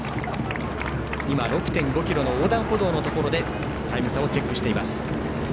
６．５ｋｍの横断歩道のところでタイム差をチェックしています。